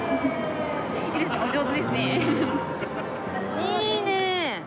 いいね！